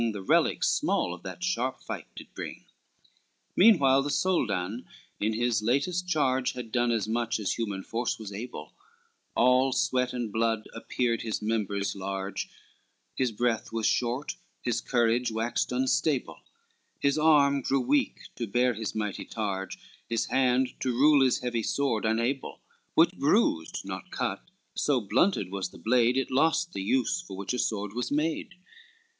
The relics small of that sharp fight did bring: XCVII Meanwhile the Soldan in this latest charge Had done as much as human force was able, All sweat and blood appeared his members large, His breath was short, his courage waxed unstable, His arm grew weak to bear his mighty targe, His hand to rule his heavy sword unable, Which bruised, not cut, so blunted was the blade It lost the use for which a sword was made.